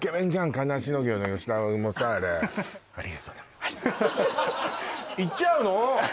金足農業の吉田もさあれありがとなはい行っちゃうの？